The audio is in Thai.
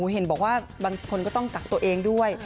เห็นบอกว่าบางคนก็ต้องกักตัวเองด้วย